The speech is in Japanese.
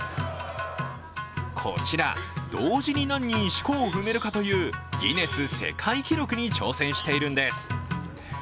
こちら同時に何人しこを踏めるかというギネス世界記録に挑戦しているんです。